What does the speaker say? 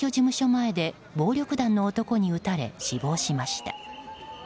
前で暴力団の男に撃たれ死亡しました。